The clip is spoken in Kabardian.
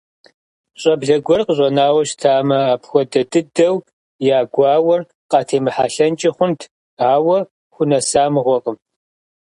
ЩӀэблэ гуэр къыщӀэнауэ щытамэ, апхуэдэ дыдэу я гуауэр къатемыхьэлъэнкӀи хъунт, ауэ хунэса мыгъуэкъым…